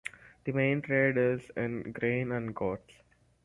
The main trade is in grain and goats.